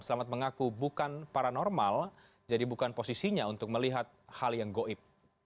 selamat mengaku bukan paranormal jadi bukan posisinya untuk melihat hal yang goib